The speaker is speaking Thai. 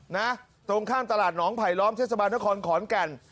ตรงข้ามตลาดหนองไผลล้อมเทศบาลนครขอนแก่น